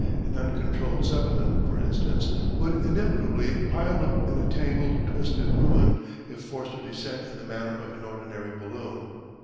An uncontrolled Zeppelin, for instance, would inevitably pile up in a tangled twisted ruin if forced to descend in the manner of an ordinary balloon.